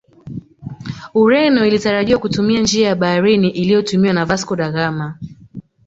Ureno ilitarajiwa kutumia njia ya baharini iliyotumiwa Vasco da Ghama